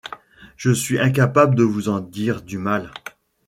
Je suis incapable de vous en dire du mal.